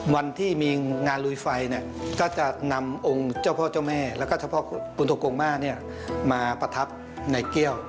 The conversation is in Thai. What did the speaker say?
วันที่มีงานลุยไฟเนี่ยก็จะนำองค์เจ้าพ่อเจ้าแม่และเจ้าพ่อคุณฑกงมาเนี่ยมาประทับในเกี่ยว